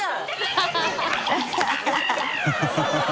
ハハハ